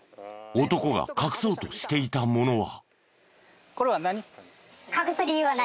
男が隠そうとしていたものは。